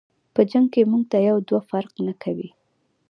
په جنګ کی مونږ ته یو دوه فرق نکوي.